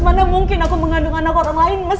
mana mungkin aku mengandung anak orang lain